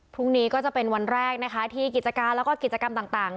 พรุ่งนี้ก็จะเป็นวันแรกนะคะที่กิจการแล้วก็กิจกรรมต่าง